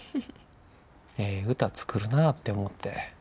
ええ歌作るなぁって思って。